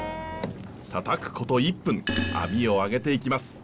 叩くこと１分網を揚げていきます。